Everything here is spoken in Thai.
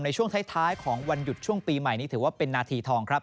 ในช่วงท้ายของวันหยุดช่วงปีใหม่นี้ถือว่าเป็นนาทีทองครับ